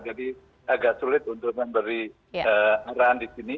jadi agak sulit untuk memberi arahan di sini